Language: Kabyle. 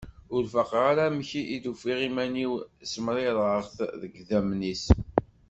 Ur faqeɣ ara amek i d-ufiɣ iman-iw ssemririɣeɣ-t deg yidammen-is.